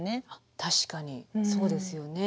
確かにそうですよね。